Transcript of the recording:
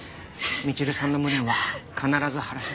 みちるさんの無念は必ず晴らします。